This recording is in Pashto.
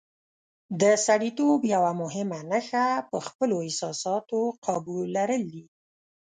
د سړیتوب یوه مهمه نښه په خپلو احساساتو قابو لرل دي.